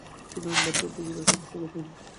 সুতরাং বাধা ও অত্যাচার আসুক, স্বাগতম।